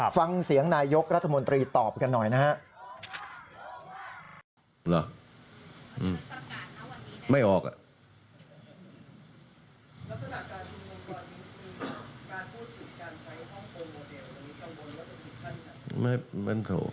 ฟังเสียงนายกรัฐมนตรีตอบกันหน่อยนะฮะ